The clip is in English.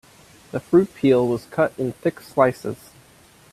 The fruit peel was cut in thick slices.